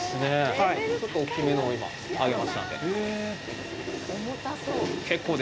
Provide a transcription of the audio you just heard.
はい、ちょっと大きめのを今、あげましたので。